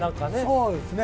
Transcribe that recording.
そうですね。